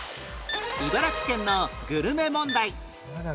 茨城県のグルメ問題